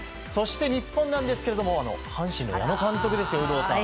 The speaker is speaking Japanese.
そして日本なんですけども阪神の矢野監督ですよ。